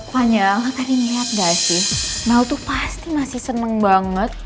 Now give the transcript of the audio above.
pokoknya lo tadi liat gak sih mel tuh pasti masih seneng banget